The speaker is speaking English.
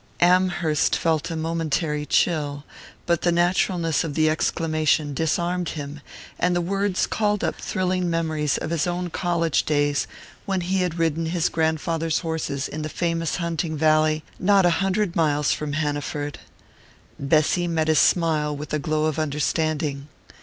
Amherst felt a momentary chill, but the naturalness of the exclamation disarmed him, and the words called up thrilling memories of his own college days, when he had ridden his grandfather's horses in the famous hunting valley not a hundred miles from Hanaford. Bessy met his smile with a glow of understanding.